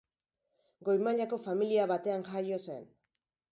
Goi mailako familia batean jaio zen.